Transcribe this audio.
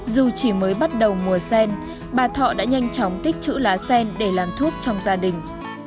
dù chỉ mới bắt đầu mùa sen bà thọ đã nhanh chóng tích chữ lá sen để làm thuốc trong gia đình